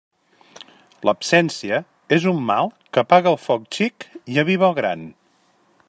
L'absència és un mal que apaga el foc xic i aviva el gran.